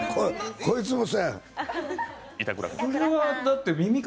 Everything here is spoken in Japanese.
こいつもそうやん。